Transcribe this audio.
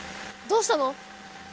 どうしたの？